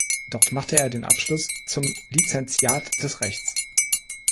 Dort machte er den Abschluss zum Lizenziat des Rechts.